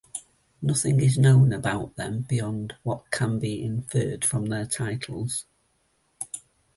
Nothing is known about them beyond what can be inferred from their titles.